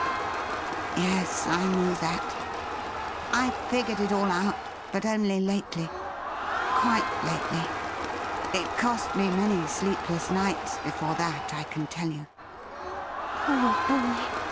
' Yes, I knew that ; I figured it all out, but only lately — quite lately. It cost me many sleepless nights before that, I can tell you.' ' Poor boy